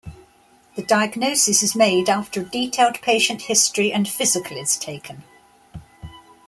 The diagnosis is made after a detailed patient history and physical is taken.